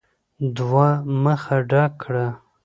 دوه مخه ډک کړه !